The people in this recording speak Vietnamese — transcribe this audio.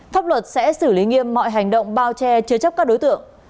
pháp luật sẽ xử lý nghiêm mọi hành động bao che chứa chấp các đối tượng